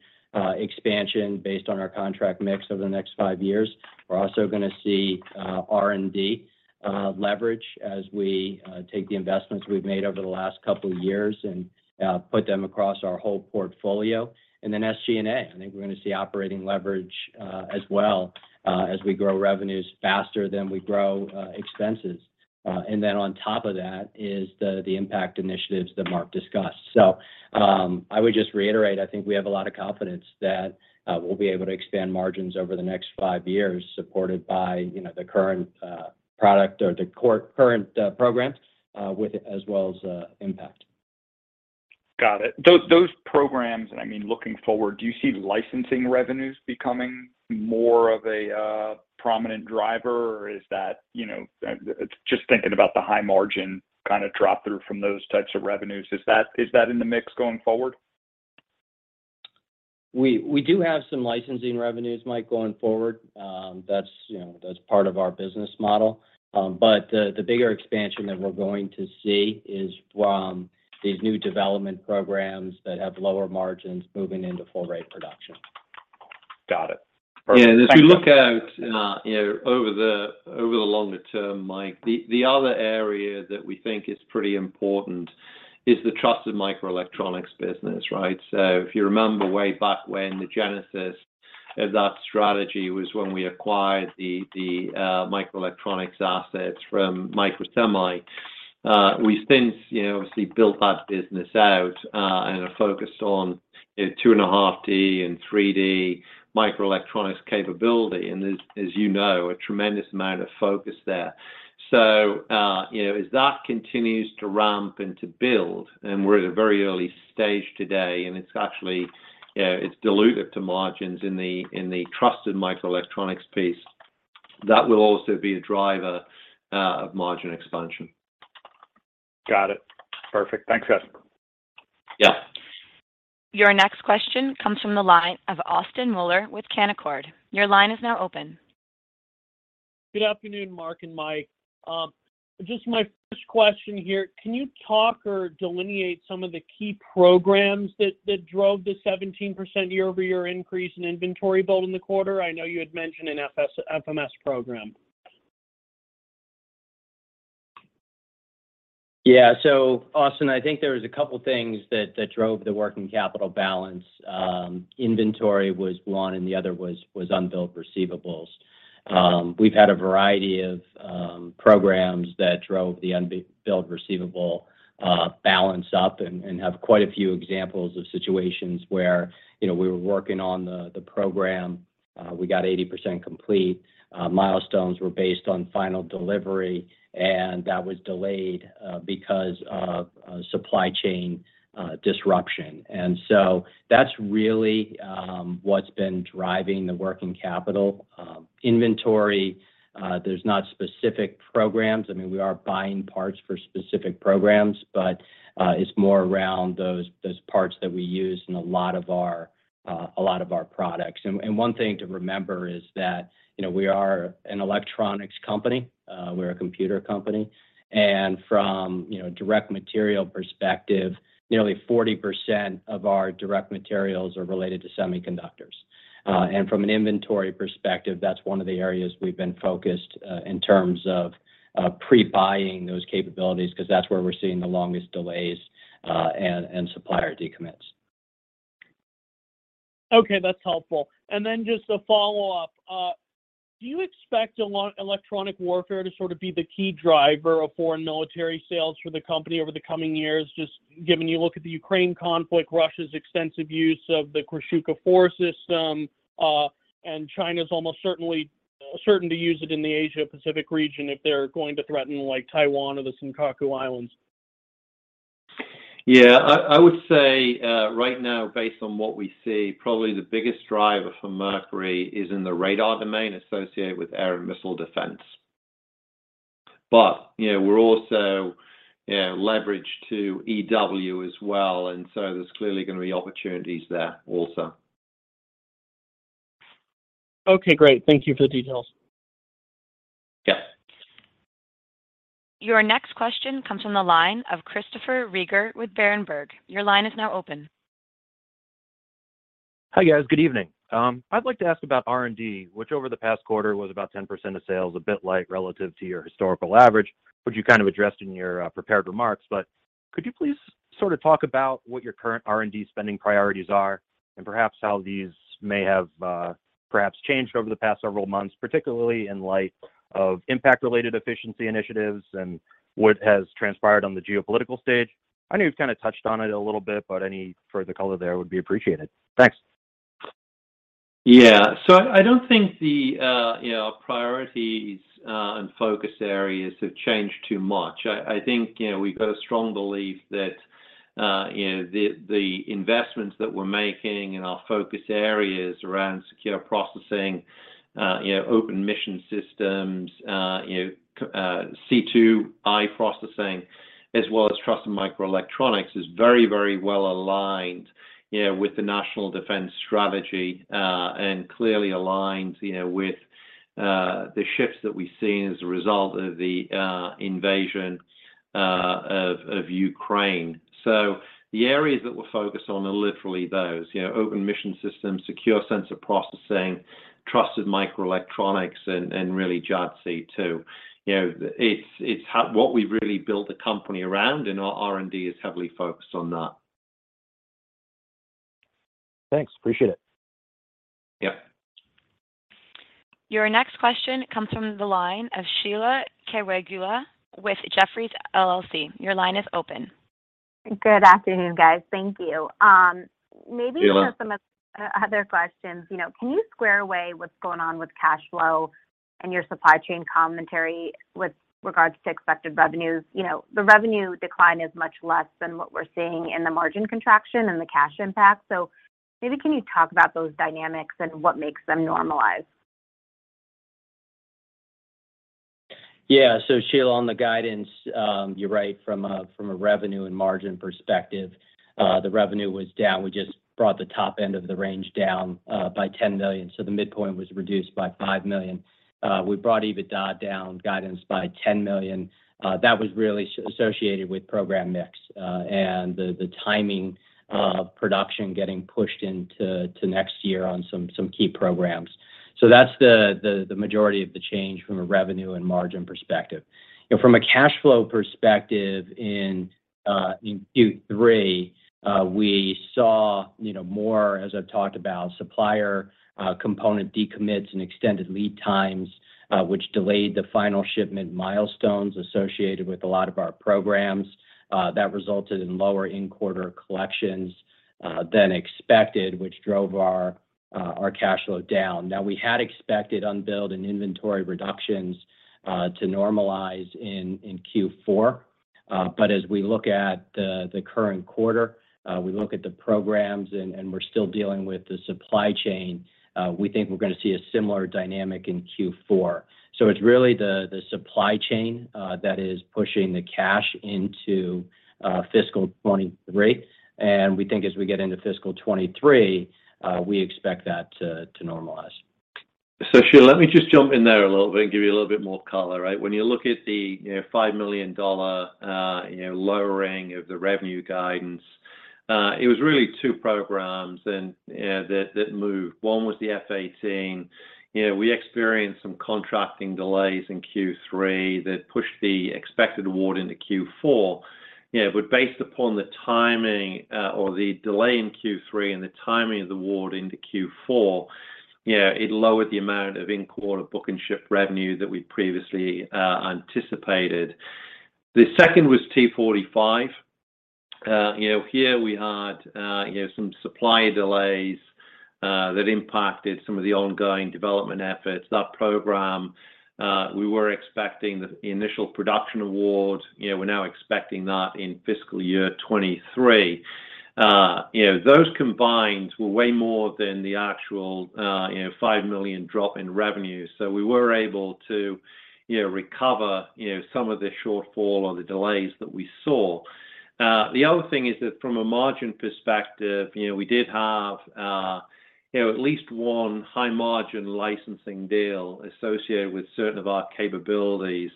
expansion based on our contract mix over the next five years. We're also gonna see R&D leverage as we take the investments we've made over the last couple of years and put them across our whole portfolio. SG&A, I think we're gonna see operating leverage as well as we grow revenues faster than we grow expenses. On top of that is the 1MPACT initiatives that Mark discussed. I would just reiterate. I think we have a lot of confidence that we'll be able to expand margins over the next five years supported by, you know, the current programs as well as 1MPACT. Got it. Those programs, and I mean, looking forward, do you see licensing revenues becoming more of a prominent driver? Or is that, you know, just thinking about the high margin kinda drop through from those types of revenues. Is that in the mix going forward? We do have some licensing revenues, Mike, going forward. That's, you know, part of our business model. But the bigger expansion that we're going to see is from these new development programs that have lower margins moving into full rate production. Got it. Perfect. Thank you. Yeah. As we look out, you know, over the longer term, Mike, the other area that we think is pretty important is the trusted microelectronics business, right? If you remember way back when the genesis of that strategy was when we acquired the microelectronics assets from Microsemi. We've since, you know, obviously built that business out, and are focused on, you know, 2.5D and 3D microelectronics capability. As you know, a tremendous amount of focus there. As that continues to ramp and to build, and we're at a very early stage today, and it's actually, you know, it's dilutive to margins in the trusted microelectronics piece. That will also be a driver of margin expansion. Got it. Perfect. Thanks, guys. Yeah. Your next question comes from the line of Austin Moeller with Canaccord. Your line is now open. Good afternoon, Mark and Mike. Just my first question here. Can you talk or delineate some of the key programs that drove the 17% year-over-year increase in inventory build in the quarter? I know you had mentioned an FMS program. Yeah. Austin, I think there was a couple things that drove the working capital balance. Inventory was one, and the other was unbilled receivables. We've had a variety of programs that drove the unbilled receivable balance up and have quite a few examples of situations where, you know, we were working on the program we got 80% complete. Milestones were based on final delivery, and that was delayed because of supply chain disruption. That's really what's been driving the working capital. Inventory, there's not specific programs. I mean, we are buying parts for specific programs, but it's more around those parts that we use in a lot of our products. One thing to remember is that, you know, we are an electronics company. We're a computer company. From, you know, direct material perspective, nearly 40% of our direct materials are related to semiconductors. From an inventory perspective, that's one of the areas we've been focused, in terms of, pre-buying those capabilities, 'cause that's where we're seeing the longest delays, and supplier decommits. Okay, that's helpful. Then just a follow-up. Do you expect electronic warfare to sort of be the key driver of foreign military sales for the company over the coming years? Just given you look at the Ukraine conflict, Russia's extensive use of the Krasukha-4 system, and China's almost certain to use it in the Asia Pacific region if they're going to threaten like Taiwan or the Senkaku Islands. Yeah. I would say, right now, based on what we see, probably the biggest driver for Mercury is in the radar domain associated with air and missile defense. You know, we're also, you know, leveraged to EW as well, and so there's clearly gonna be opportunities there also. Okay, great. Thank you for the details. Yeah. Your next question comes from the line of Christopher Rieger with Berenberg. Your line is now open. Hi, guys. Good evening. I'd like to ask about R&D, which over the past quarter was about 10% of sales, a bit light relative to your historical average. Which you kind of addressed in your prepared remarks, but could you please sort of talk about what your current R&D spending priorities are and perhaps how these may have perhaps changed over the past several months, particularly in light of 1MPACT-related efficiency initiatives and what has transpired on the geopolitical stage? I know you've kinda touched on it a little bit, but any further color there would be appreciated. Thanks. Yeah. I don't think the priorities and focus areas have changed too much. I think we've got a strong belief that the investments that we're making in our focus areas around secure processing, you know, open mission systems, you know, C2I processing, as well as trusted microelectronics is very, very well aligned, you know, with the National Defense Strategy, and clearly aligned, you know, with the shifts that we've seen as a result of the invasion of Ukraine. The areas that we're focused on are literally those. You know, open mission systems, secure sensor processing, trusted microelectronics, and really JADC2. You know, it's what we've really built the company around, and our R&D is heavily focused on that. Thanks. Appreciate it. Yep. Your next question comes from the line of Sheila Kahyaoglu with Jefferies LLC. Your line is open. Good afternoon, guys. Thank you. Sheila to some of the other questions. You know, can you square away what's going on with cash flow and your supply chain commentary with regards to expected revenues? You know, the revenue decline is much less than what we're seeing in the margin contraction and the cash impact. Maybe can you talk about those dynamics and what makes them normalize? Yeah. Sheila, on the guidance, you're right. From a revenue and margin perspective, the revenue was down. We just brought the top end of the range down by $10 million. The midpoint was reduced by $5 million. We brought EBITDA down, guidance by $10 million. That was really associated with program mix and the timing of production getting pushed into next year on some key programs. That's the majority of the change from a revenue and margin perspective. You know, from a cash flow perspective in Q3, we saw, you know, more, as I've talked about, supplier component decommits and extended lead times, which delayed the final shipment milestones associated with a lot of our programs, that resulted in lower in-quarter collections than expected, which drove our cash flow down. Now, we had expected unbilled and inventory reductions to normalize in Q4. As we look at the current quarter, we look at the programs and we're still dealing with the supply chain, we think we're gonna see a similar dynamic in Q4. It's really the supply chain that is pushing the cash into fiscal 2023. We think as we get into fiscal 2023, we expect that to normalize. Sheila, let me just jump in there a little bit and give you a little bit more color, right? When you look at the $5 million lowering of the revenue guidance, it was really two programs and that moved. One was the F-18. We experienced some contracting delays in Q3 that pushed the expected award into Q4. Based upon the timing of the delay in Q3 and the timing of the award into Q4, it lowered the amount of in-quarter book and ship revenue that we previously anticipated. The second was T-45. Here we had some supply delays that impacted some of the ongoing development efforts. That program, we were expecting the initial production award, you know, we're now expecting that in fiscal year 2023. You know, those combined were way more than the actual, you know, $5 million drop in revenue. We were able to, you know, recover, you know, some of the shortfall or the delays that we saw. The other thing is that from a margin perspective, you know, we did have, you know, at least one high margin licensing deal associated with certain of our capabilities,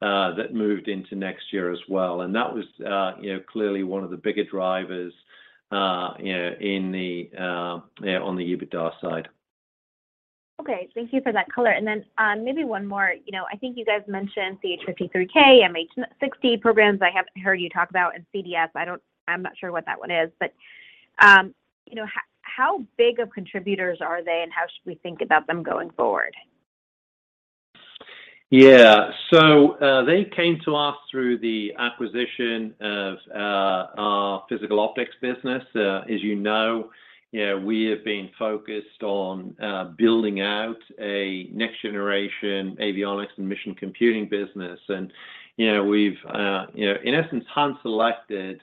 that moved into next year as well. That was, you know, clearly one of the bigger drivers, you know, in the, you know, on the EBITDA side. Okay. Thank you for that color. Maybe one more. You know, I think you guys mentioned the CH-53K, MH-60 programs I haven't heard you talk about, and CDS. I'm not sure what that one is. You know, how big of contributors are they, and how should we think about them going forward? Yeah. They came to us through the acquisition of our Physical Optics business. As you know, you know, we have been focused on building out a next generation avionics and mission computing business. You know, we've, you know, in essence, hand selected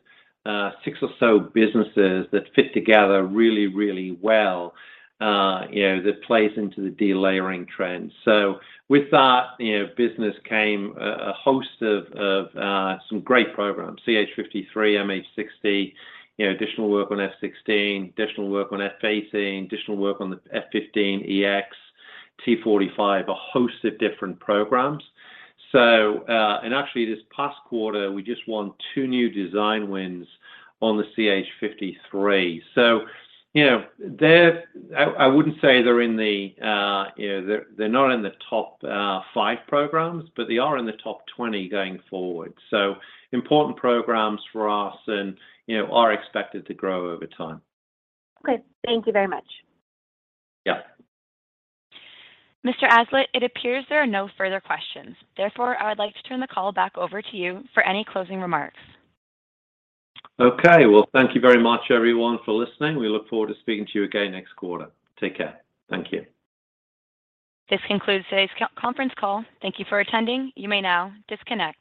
six or so businesses that fit together really, really well, you know, that plays into the delayering trend. With that, you know, business came a host of some great programs, CH-53, MH-60, you know, additional work on F-16, additional work on F-18, additional work on the F-15EX, T-45, a host of different programs. Actually this past quarter, we just won two new design wins on the CH-53. You know, I wouldn't say they're in the, you know, they're not in the top five programs, but they are in the top 20 going forward. Important programs for us and, you know, are expected to grow over time. Okay. Thank you very much. Yeah. Mr Aslett, it appears there are no further questions. Therefore, I would like to turn the call back over to you for any closing remarks. Okay. Well, thank you very much, everyone, for listening. We look forward to speaking to you again next quarter. Take care. Thank you. This concludes today's conference call. Thank you for attending. You may now disconnect.